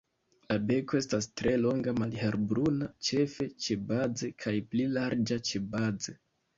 La beko estas tre longa, malhelbruna -ĉefe ĉebaze- kaj pli larĝa ĉebaze.